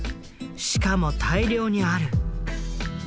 しかも大量にある！」。